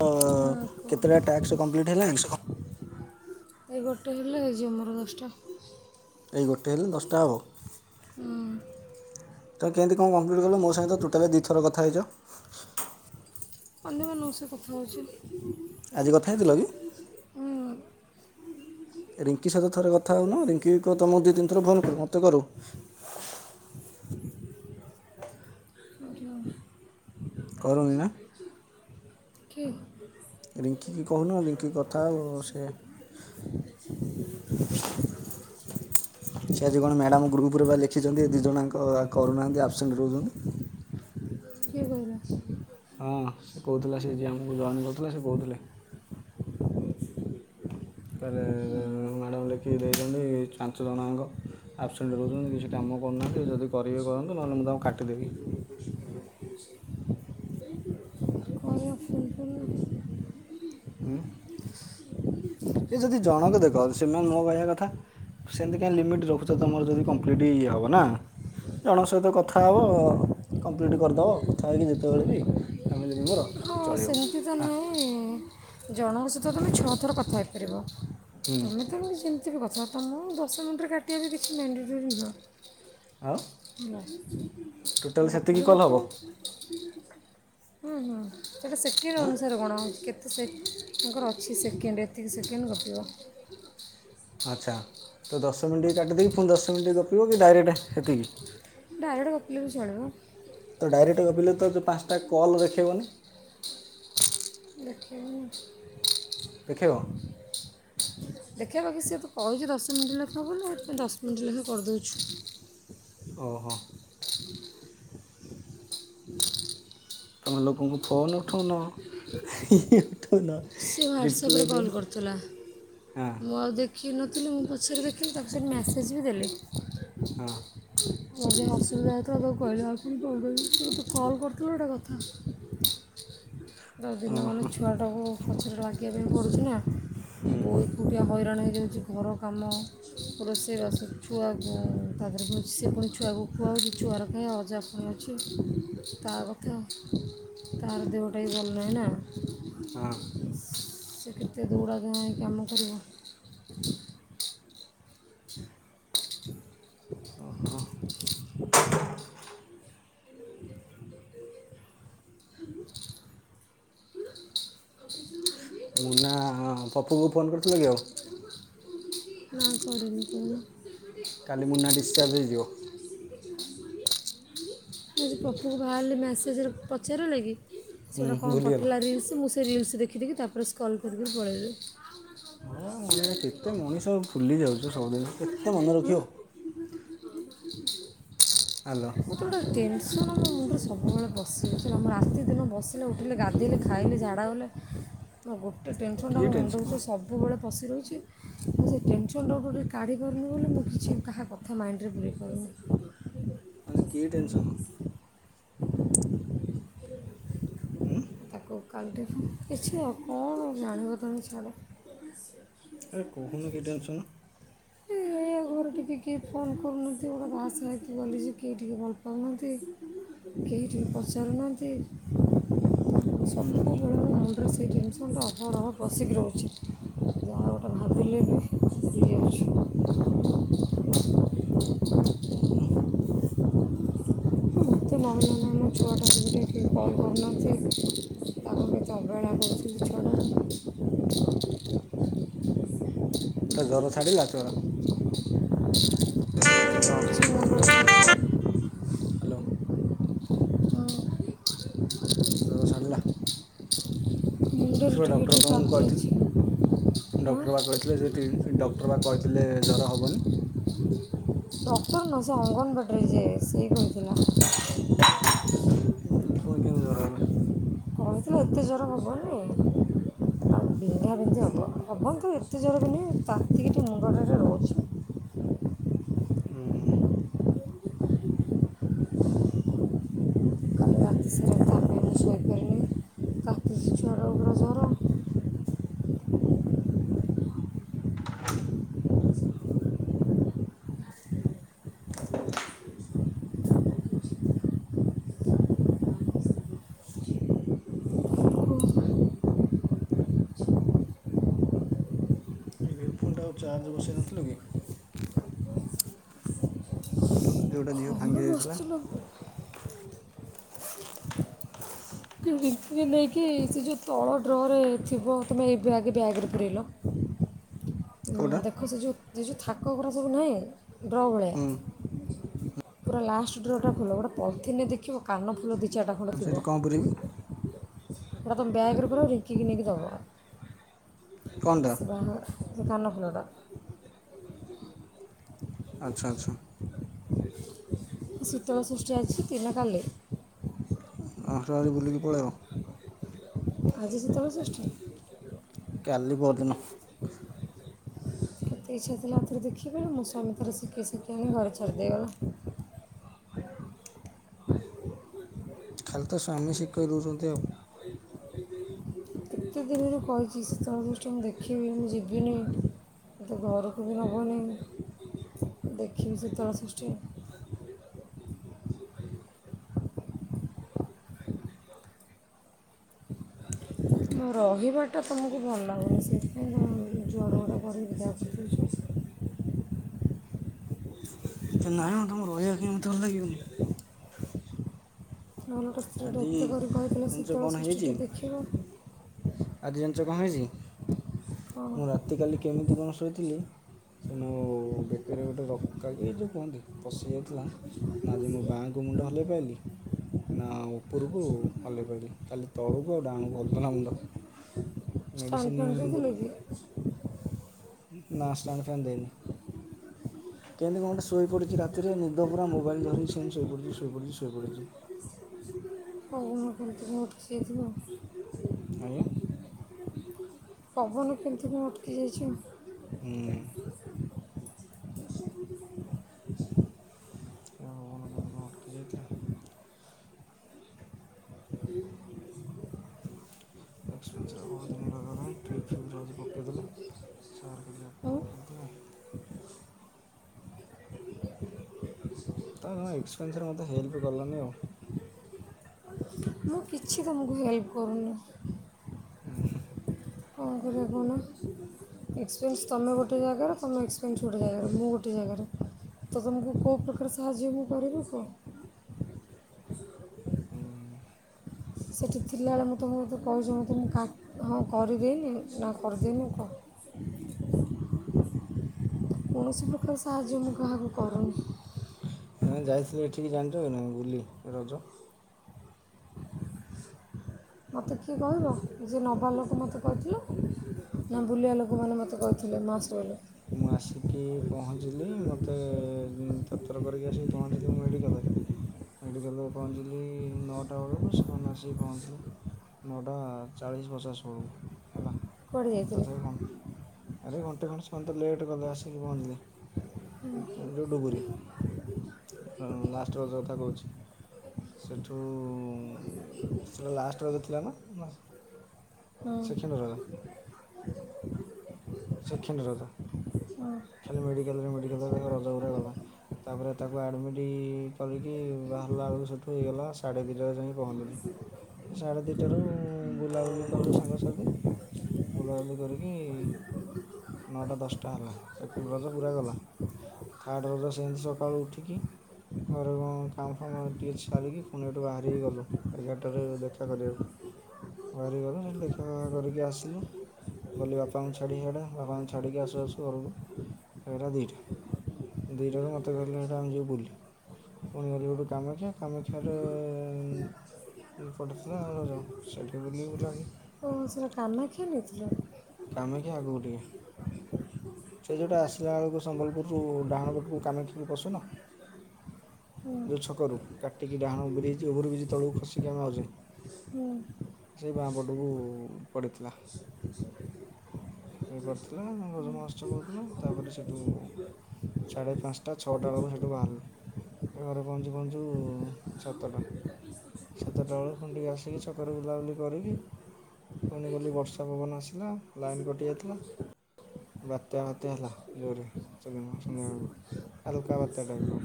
ତ କୁହ କେତେଟା ଟ୍ୟାକ୍ସ [unintelligible] କମ୍ପ୍ଲିଟ୍ ହେଲାଣି ଏ ଗୋଟେ ହେଲେ ହେଇଯିବ ମୋର ଦଶଟା। ଏଇ ଗୋଟେ ହେଲେ ଦଶଟା ହବ। ହୁଁ। ତ କେମିତି କଣ କମ୍ପ୍ଲିଟ କଲ ମୋ ସାଙ୍ଗେରେ ତ ଟୋଟାଲି ଦିଇଥର କଥାହେଇଚ। ଅନ୍ୟମାନଙ୍କ ସହ କଥା ହୋଉଚି। ଆଜି କଥା ହେଇଥିଲ କି? ହୁଁ। ରିଙ୍କି ସହିତ ଥରେ କଥା ହୋଉନ। ରିଙ୍କିକୁ କୁହ ତମକୁ ଦିଇ ତିିନିଥର ଫୋନ କରୁ ମତେ କରୁ। [inaudible] କରୁନି ନା। [unintelligible] ରିଙ୍କିକି କୋହୁନ ରିଙ୍କି କଥା ହୋଉ ସେ ସେ ଆଜି କଣ ମ୍ୟାଡମ ଗ୍ରୁପରେ ବା ଲେଖିଚନ୍ତି ଏ ଦିଇ ଜଣ ଯାକ କରୁନାହାନ୍ତି ଆପସେଣ୍ଟ ରହୁଚନ୍ତି। କିଏ କହିଲା ସି ହଁ ସେ କୋହୁଥିଲା ସେ ଯିଏ ଆମକୁ ଜଏନ୍ କରିଥିଲା ସେ କୋହୁଥିଲେ। ତାପରେ ମ୍ୟାଡାମ ଲେଖିକି ଦେଇଚନ୍ତି ପାଞ୍ଚ ଜଣ‌ଆଙ୍କା ଆପସେଣ୍ଟ ରହୁଚନ୍ତି କିଛି କାମ କରୁନାହାନ୍ତି। ଯଦି କରିବେ କରନ୍ତୁ ନହେଲେ ମୁଁ ତାଙ୍କୁ କାଟିଦେବି। କହିଲା ଫୋନ୍ ଫୋନ୍ ଉଁ ସେ ଯଦି ଜଣକ ଦେଖ ସେମାନେ ମୋ କହିବା କଥା ସେମିତି କାଇଁ ଲିମିଟ୍ ରଖୁଚ। ତମର ଯଦି କମ୍ପ୍ଲିଟ୍ ଇଏ ହବ ନା। ଜଣଙ୍କ ସହିତ କଥା ହବ କମ୍ପ୍ଲିଟ୍ କରିଦବ କଥା ହେଇକି ଯେତେବେଳେ ବି। ଫ୍ୟାମିଲି ମେମ୍ବର ହଁ ଚଳିବ ସେମିତି ତ ହଁ ନାହିଁ ଜଣଙ୍କ ସହିତ ତମେ ଛଅ ଥର କଥା ହେଇପାରିବ। ହୁଁ ତମେ ତମ ଯେମିତି ବି କଥା ବାର୍ତ୍ତା ମୁଁ ଦଶ ମିନିଟରେ କାଟିବା ବି କିଛି ମ୍ୟାଣ୍ଡେଟୋରି ନୁହଁ। ଆଉ ଟୋଟାଲ୍ ନା ସେତିକି ଗପିବେ କଲ୍ ହେବ ଗପିବେ। ହୁଁ ହୁଁ ସେଟା ସେକେଣ୍ଡ ହଁ ଅନୁସାରେ ଗଣା ହୋଉଚି କେ ତେ ସେ ତାଙ୍କର ଅଛି ସେକେଣ୍ଡ ଏତିକି ସେକେଣ୍ଡ ଗପିବ। ଆଚ୍ଛା ତ ଦଶ ମିନିଟ କାଟି ଦେଇକି ଫୁଣି ଦଶ ମିନିଟରେ ଗପିବୁ କି ଡାଇରେକ୍ଟ ହେତିକି। ଡାଇରେକ୍ଟ ଗପିଲେ ବି ଚଳିବ। ତ ଡାଇରେକ୍ଟ ଗପିଲେ ତ ଯୋଉ ପାଞ୍ଚଟା କଲ୍ ଦେଖେଇବନି। ଦେଖେଇବନି। ଦେଖେଇବ? ଦେଖେଇବ କି ସିଏ ତ କହିଚି ଦଶ ମିନିଟ ଲେଖା ବୋଲି ସେ ଦଶ ମିନିଟରେ ବି କରିଦୋଉଚୁ। ଓହୋ। ତମେ ଲୋକଙ୍କୁ ଫୋନ ଉଠଉନ। ଦିନ ସିଏ ହ୍ୱାଟ୍ସଆପ୍ରେ ଜିତିଲ କଲ୍ କରିଥିଲା ହଁ। ମୁଁ ଆଉ ଦେଖି ନଥିଲି ମୁଁ ପଛରେ ଦେଖିଲି ତାପରେ ସେଠୁ ମ୍ୟାସେଜ୍ ବି ଦେଲେନି। ହଁ। ଯଦି ଅସୁବିଧା ହେଇଥିବ ତାକୁ କହିଲେ ଆଉ [unintelligible] ସେ ମତେ କଲ୍ କରିଥିଲ ଗୋଟେ କଥା। ତ ଦିନ ମାନେ ଓହୋ ଛୁଆଟା କୁ ପଛରେ ଲାଗିବା ପାଇଁ ପଡୁ଼ଚି ନା। ହୁଁ। ବୋଉ ଏକୁଟିଆ ହଇରାଣ ହେଇଯାଉଛି ଘର କାମ ରୋଷେଇ ବାସ ଛୁଆକୁ ତାପରେ ପୁଣି ସିଏ ପୁଣି ଛୁଆକୁ ଖୁଆଉଛି ଛୁଆର କାହିଁ ଅଜା ପୁଣି ଅଛି ତା କଥା ତାର ଦେହ ଟା ବି ଭଲ ନାହିଁ ନା। ହଁ। ସେ କେତେ ଦୌଡ଼ା ଧାଁ ହେଇ କାମ କରିବ। [unintelligible] ମୁନା ପପୁ କୁ ଫୋନ୍ କରିଥିଲୁ କି ଆଉ। ନା କରିନି କହୁନ। କାଲି ମୁନା ଡିସ୍ଚାର୍ଜ ହେଇଯିବ। ମୁଁ କହୁଚି ପପୁ କୁ ବାହାରିଲେ ମେସେଜରେ ପଚାରିଲୁ କି? ସେ ହୁଁ ଗୋଟେ କଣ ଭୁଲିଗଲ ପଠେଇଲା ରିଲସ୍ ମୁଁ ସେ ରିଲସ୍ ଦେଖି ଦେଖି ତାପରେ ସ୍କୋରଲ୍ କରିକରି ପଳେଇଲି। ହଁ। ମାନେ କେତେ ମଣିଷ ଭୁଲି ଯାଉଛି ସବୁଦିନ କେତେ ମନେ ରଖିବ। ହ୍ୟାଲୋ ମତେ ଗୋଟେ ଟେନସନ୍ ମୋ ମୁଣ୍ଡରେ ସବୁବେଳେ ପଶିଯାଉଛି ହେଲା ମୁଁ ରାତିଦିନ ବସିଲେ, ଉଠିଲେ, ଗାଧେଇଲେ, ଖାଇଲେ, ଝାଡ଼ା ଗଲେ ହଁ ଗୋଟେ ଟେନସନ୍ ଟା କି ମୋ ମୁଣ୍ଡ ଟେନସନ୍ ମ? ଭିତରେ ସବୁବେଳେ ପଶି ରହିଛି। ମୁଁ ସେ ଟେନସନ୍ ଟା କୁ କାଢ଼ି ପାରୁନି ବୋଲି ମୁଁ କିଛି କାହା କଥା ମାଇଣ୍ଡି ରେ ପୁରେଇ ପାରୁନି। ମାନେ କି ଟେନସନ୍? ଉଁ ତାକୁ [unintelligible] କିଛି ଆଉ କଣ ଜାଣିବ ତମେ ଛାଡ଼‌। ଆରେ କହୁନୁ କି ଟେନସନ୍। ଘରୁ ଟିକେ କିଏ ଫୋନ କରୁନଥିବ ଗୋଟେ ବାହା ସାହା ହେଇକି ଗଲି ଯେ କେହି ଟିକଏ ଭଲ ପାଉନାହାନ୍ତି। କେହି ଟିକେ ପଚାରୁନାହାନ୍ତି। ହୁଁ ହୁଁ। ମୋର ସେହି ଟେନସନ୍ ଟା ଅହରହ ପଶିକି ରହୁଛି ଯାହା ଗୋଟେ ଭାବିଲେ ବି [unintelligible] ଉଁ ହୁଁ। ମତେ ନହେଲା ନାହିଁ ମୋ ଛୁଆଟା କୁ ବି ଟିକେ କେହି କଲ୍ କରୁନାହାନ୍ତି। ତାକୁ କେତେ ଅବହେଳା କରୁଛନ୍ତି ଜଣା [unintelligible] ତା ଜର ଛାଡ଼ିଲା ଜର? ଟିକେ ଟିକେ ଅଛି। ମୁଣ୍ଡରେ ତାତି ହଁ, ହାଲୋ। ଜର ଛାଡି଼ଲା। ମୁଣ୍ଡରେ ଛୁଆ ଟିକେ ଡକ୍ଟର ଟିକେ ତମକୁ ତାତି ଅଛି କହିଥିବେ ହଁ ଡକ୍ଟର ପା କହି ସେ ଡକ୍ଟର ବା କହିଥିଲେ ଜର ହବନି। ଡକ୍ଟର ନୁହଁ ସେ ଅଙ୍ଗନବାଡ଼ି ରେ ଯିଏ ସେ କହିଥିଲା। [unintelligible] ପୁଣି କେମିତି ଜର ହେଲା? କହିଥିଲେ ଏତେ ଜୋର ହବନି ଆଉ ବିନ୍ଧା ବିନ୍ଧି ହବ ହବନି ତ ଏତେ ଜୋର ବି ନୁହେଁ ତାତିକି ଟିକେ ମୁଣ୍ଡଟାରେ ରହୁଛି। ଓହୋ। କାଲି ରାତି ସାରା ତାପରେ ଶୋଇପାରିନି କାତିଛି ଛୁଆର ପୁରା ଜ୍ଵର ଏ ହେଡ଼ଫୋନ ଟାକୁ ଚାର୍ଜ ବସେଇ ନଥିଲ କି? ଯୋଉ ଯୋଉଟା ଝିଅ କ'ଣ ଭାଙ୍ଗି ଦେଇଥିଲା? ବସିଥିଲ କିି ରିଙ୍କି କି ନେଇକି ସେ ଯୋଉ ତଳ ଡ୍ରରେ ଥିବ ତୁମେ ଏ ବ୍ୟାଗ୍ ବ୍ୟାଗରେ ପୁରେଇଲ। କେଉଁଟା ଦେଖ ସେ ଯେଉଁ ସେ ଯେଉଁ ଥାକ ଗୁଡ଼ା ସବୁ ନାହିଁ ଡ୍ର ଭଳିଆ। ହୁଁ ପୁରା ଲାଷ୍ଟ ଡ୍ର ଟା ଖୋଲ ଗୋଟେ ପଲିଥିନରେ ଦେଖିବ କାନ ଫୁଲ ଦି ଚାରିଟା ଖଣ୍ଡେ ହଁ ଥିବ ସେଇଠି କଣ କରିବି? ପୁରା ତମ ବ୍ୟାଗରେ ପୁରାଅ ରିଙ୍କି କି ନେଇକି ଦବ। କଣ ଟା? ଗହଣା ଟା କାନ ଫୁଲ ଟା। ଆଚ୍ଛା ଆଚ୍ଛା। ଶୀତଳ ଷଷ୍ଠୀ ଆଜି କି ନା କାଲି? ଆଶ ଆଜି ବୁଲିକି ପଳେଇବ। ଆଜି ଶୀତଳ ଷଷ୍ଠୀ? କାଲି ପରଦିନ କେତେ ଇଚ୍ଛା ଥିଲା ଆର ଥର ଦେଖିବାକୁ ମୋ ସ୍ୱାମୀ ତାର ଶିଖେଇ ଶିଖେଇ ଘରେ ଛାଡ଼ି ଦେଇଗଲା। ଖାଲି ତ ସ୍ୱାମୀ ଶିଖେଇଦୋଉଛନ୍ତି ଆଉ। କେତେ ଦିନରୁ କହିଛି ଶୀତଳଷଷ୍ଠୀ ମୁଁ ଦେଖିବି ମୁଁ ଯିବିନି। ତ ଘରକୁ ବି ନବନି ଦେଖିବି ଶୀତଳ ଷଷ୍ଠୀ। ମୋ ରହିବାଟା ତମକୁ ଭଲ ଲାଗୁନି ସେଇଥିପାଇଁ ତମେ ଜୁଆଡୁ ଗୋଟା କରିକି ବିଦା କରିଦୋଉଚ। ହେ ନାଇମ ତମ ରହିବା କାଇଁ ମୋତେ ଭଲ ଲାଗିବନି। ନହେଲେ ଗୋଟେ ସ୍ତ୍ରୀଟେ ଆଜି ଏତେ କରି କହିଥିଲେ ଜାଣିଛ ଶୀତଳ କ'ଣ ଷଷ୍ଠୀ ହେଇଛି ଟିକେ ଦେଖିବ। ଆଜି ଜାଣିଚ କଣ ହେଇଛି କ'ଣ ମୁଁ ରାତି କାଲି କେମିତି କଣ ଶୋଇଥିଲି ସେ ମାନେ ଯୋଉ ବେକେରେ ଗୋଟେ ରକା କି ଏ ଯଉ କୁହନ୍ତି ପଶି ଯାଇଥିଲା। ନା ଆଜି ମୁଁ ବାଆଁଙ୍କୁ ମୁଣ୍ଡ ହଲେଇ ପାଇଲିି ନା ଉପରକୁ ହଲେଇ ପାଇଲି। ଖାଲି ତଳକୁ ଆଉ ଡାହାଣୁକୁ ହଲୁଥିଲା ମୁଣ୍ଡ। ଷ୍ଟାଣ୍ଡ ମେଡ଼ିସିନି ଫ୍ୟାନ୍ ଗୋ ଦେଇଥିଲେ କି ନା ଷ୍ଟାଣ୍ଡ ଫ୍ୟାନ୍ ଦେଇନି। କେମିତି କଣ ଗୋଟେ ଶୋଇପଡ଼ିଛି ରାତିରେ ନିଦ ପୁରା ମୋବାଇଲ ଧରିକି ସେମିତ ଶୋଇପଡ଼ିଛି ଶୋଇପଡ଼ିଛି ଶୋଇପଡ଼ିଛି। ଓହୋ କେମିତି କଣ ଗୋଟେ ପଶିଯାଇଥିବ ଆଉ। ଆଜ୍ଞା। ପବନ କେମିତି କଣ ଅଟକି ଯାଇଛି ଆଉ। ହୁଁ। ପବନ କେମିତି କଣ ଅଟକି ଯାଇଥିଲା। ହୁଁ। ଏକ୍ସପେନ୍ସ ରେ ବହୁତ ଦିନ ରହିଗଲାଣି ଟ୍ରିପ ଫ୍ରିପ୍ ରେ ଆଜି ପକେଇଦେଲେ। ସାର୍ କାଲି ଆଉ ଆପ୍ରୁଭ କରିଦେବେ। ତମେ ଜମା ଏକ୍ସପେନ୍ସରେ ମୋତେ ହେଲ୍ପ କଲନି ଆଉ। ମୁଁ କିଛି ତମକୁ ହେଲ୍ପ କରୁନି। ଉ ହୁଁ। କଣ କରିବା କହୁନ? ଏକ୍ସପେନ୍ସ ତମେ ଗୋଟେ ଜାଗାରେ ତମ ଏକ୍ସପେନ୍ସ ଗୋଟେ ଜାଗାରେ ମୁଁ ଗୋଟେ ଜାଗାରେ। ତ ତୁମକୁ କେଉଁ ପ୍ରକାର ସାହାଯ୍ୟ ମୁଁ କରିବ କୁହ। ଉହୁଁ। ସେଇଠି ଥିଲାବେଳେ ମୁଁ ତୁମକୁ ମୋତେ କହିଛି ମୋତ କା ହଁ କରିଦେଇନି ନା କରିଦେଇନି କୁହ? କୌଣସି ପ୍ରକାର ସାହାଯ୍ୟ ମୁଁ କାହାକୁ କରୁନି। ନାଇଁ ଯାଇଥିଲି ଏଠିକି ଜାଣିଚ କି ନାଇଁ ବୁଲି ରଜ? ମୋତେ କିଏ କହିବ ଯିଏ ନେବା ଲୋକ ମୋତେ କହିଥିଲେ ନା ବୁଲିବା ଲୋକମାନେ ମୋତେ କହିଥିଲେ। [unintelligible] ମାସ ରଲେ ମୁଁ ଆସିକି ପହଞ୍ଚିଲି ମୋତେ ତତର କରିକି ଆସିକି ପହଞ୍ଚିଲି ମୁଁ ମେଡ଼ିକାଲରେ ମେଡ଼ିକାଲରେ ପହଞ୍ଚିଲି ନଅଟା ବେଳକୁ ସେମାନେ ଆସିକି ପହଞ୍ଚିଲେ ନଅଟା ଚାଳିଶ ପଚାଶ ବେଳକୁ ହେଲା। କୁଆଡ଼େ ଯାଇଥିଲେ ତଥାପି ଘ ଆରେ ଘଣ୍ଟେ ଖଣ୍ଟେ ସମୟ ତ ଲେଟ୍ କଲେ ଆସିକି ପହଞ୍ଚିଲେ। ଯୋଉ ଡୁବୁରି ଲାଷ୍ଟ ରଜ କଥା କହୁଛି। ସେଠୁ ସେଟା ଲାଷ୍ଟ ରଜ ଥିଲା ନା ନା? ହୁଁ [unintelligible] ସେଖେଣ୍ଡ ରଜ। ହଁ। ଖାଲି ମେଡ଼ିକାଲରେ ମେଡ଼ିକାଲରେ [unintelligible] ଗଲା। ତା ପରେ ତାକୁ ଆଡ଼ମିଟ୍ କରିକି ବାହାରିଲା ବେଳକୁ ସେଇଠୁ ହେଇଗଲା ସାଢ଼େ ଦିଟାରେ ଯାଇ ପହଞ୍ଚିଲି ସାଢ଼େ ଦୁଇଟାରୁ ବୁଲାବୁଲି କଲୁ ସାଙ୍ଗସାଥି ବୁଲାବୁଲି କରିକି ନଅଟା ଦଶଟା ହେଲା ସେକେଣ୍ଡ ରଜ ପୁରା ଗଲା। ଥାର୍ଡ଼ ରଜ ସେମିତି ସକାଳୁ ଉଠିକି ଘରେ କଣ କାମ ଫାମ ଟିକେ ସାରିକି ପୁଣି ଏଠୁ ବାହାରିକି ଗଲୁ। ଏଗାରଟାରେ ଦେଖା କରିବାକୁ ବାହାରି ଗଲୁ ସେଠି ଦେଖା କରିକି ଆସିଲୁ। ଗଲି ବାପାଙ୍କୁ ଛାଡ଼ି ହିଆଡ଼େ ବାପାଙ୍କୁ ଛାଡ଼ିକି ଆସୁ ଆସୁ ଘରକୁ ସେଇଟା ଦୁଇଟା ଦୁଇଟାରୁ ମୋତେ କହିଲେ ହେଟା ଆମେ ଯିବୁ ବୁଲି। ପୁଣି ଗଲେ ଗୋଟେ କାମାକ୍ଷା କାମାକ୍ଷରେ ପଠେଇଥିଲା ଆ ର ଯ ସେଇଠି ବୁଲି ବୁଲା କି ଓହୋ ସେଟା କାମାକ୍ଷା ନେଇଥିଲ? କାମାକ୍ଷା ଆଗକୁ ଟିକେ। ସେ ଯୋଉଟା ଆସିଲା ବେଳକୁ ସମ୍ବଲପୁରରୁ ଡାହାଣ ପେଟକୁ କାମାକ୍ଷାକୁ ପସୁନ ହୁଁ ଯେଉଁ ଛକରୁ କାଟିକି ଡାହାଣ ବ୍ରିଜ୍ ହେଇଛି ଓଭର ବ୍ରିଜ୍ ତଳକୁ ଖସିକି ଆମେ ଆଉଛେ ହୁଁ। ସେଇ ବାଁପଟକୁ ପଡ଼ିଥିଲା। ହେଇପାରୁଥିଲା ସବୁ ମହୋସ୍ଛବ ହଉଥିଲା ତାପରେ ସେଠୁ ସାଢ଼େ ପାଞ୍ଚଟା ଛଟା ବେଳକୁ ସେଠୁ ବାହାରିଲୁ। ଘରେ ପହଞ୍ଚୁ ପହଞ୍ଚୁ ସାତଟା। ସାତଟା ବେଳକୁ ପୁଣି ଟିକେ ଆସିକି ଛକରେ ବୁଲାବୁଲି କରିକି ପୁଣି ଗଲି ବର୍ଷା ପବନ ଆସିଲା ଲାଇନ୍ କଟି ଯାଇଥିଲା। ବାତ୍ୟା ବାତ୍ୟା ହେଲା ଜୋରେ ସଦ ସନ୍ଧ୍ୟାବେଳକୁ ହାଲୁକା ବାତ୍ୟା ଟାଇପ ର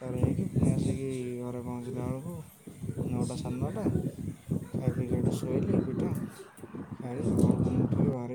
ତାର ହେଇକି ପୁଣି ଆସିକି ଘରେ ପହଞ୍ଚିଲା ବେଳକୁ ନଅଟା ସାଢ଼େ ନଅଟା। ଖାଇ ପିକି ହେଠୁ ଶୋଇଲି ପିଠା ଖାଇକି ସକାଳୁ ପୁଣି ଉଠିକି ବାହାରି